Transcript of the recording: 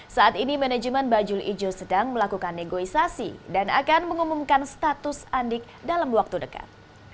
saat ini manajemen bajul ijo sedang melakukan negosiasi dan akan mengumumkan status andik dalam waktu dekat